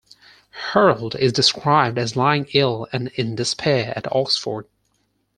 Harold is described as lying ill and in despair at Oxford.